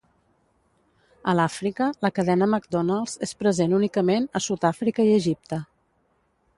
A l'Àfrica, la cadena McDonald's és present únicament a Sud-àfrica i Egipte.